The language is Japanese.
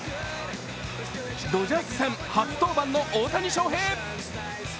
ドジャース戦初登板の大谷翔平。